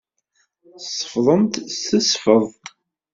Tsefḍemt s tesfeḍt.